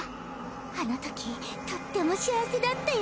あの時とっても幸せだったよ。